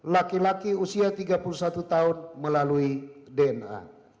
laki laki usia tiga puluh satu tahun melalui dna